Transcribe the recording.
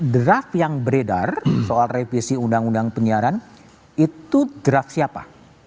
draft yang beredar soal revisi undang undang penyiaran itu draft siapa